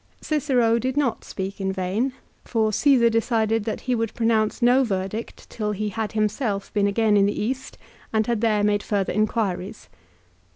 Cicero did not speak in vain, for Caesar de cided that he would pronounce no verdict till he had himself been again in the East and had there made further inquiries.